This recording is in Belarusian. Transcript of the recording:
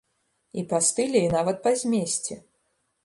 І па стылі і нават па змесце.